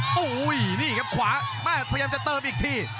โอ้โหนี่ครับขวาแม่พยายามจะเติมอีกที